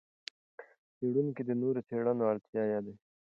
څېړونکي د نورو څېړنو اړتیا یادوي.